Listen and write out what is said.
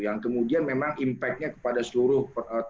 yang kemudian memang impact nya kepada seluruh